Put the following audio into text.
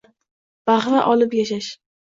Bahra olib yashash